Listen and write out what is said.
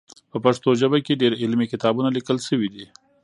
په پښتو ژبه کې ډېر علمي کتابونه لیکل سوي دي.